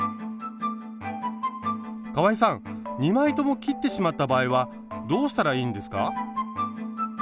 かわいさん２枚とも切ってしまった場合はどうしたらいいんですか？